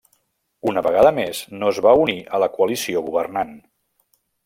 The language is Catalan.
Una vegada més, no es va unir a la coalició governant.